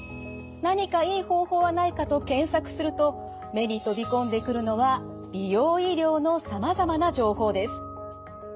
何かいい方法はないかと検索すると目に飛び込んでくるのは美容医療のさまざまな情報です。